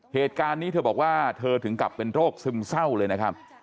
เหตุการณ์นี้เธอบอกว่าเธอถึงกลับเป็นโรคซึมเศร้าเลยนะครับ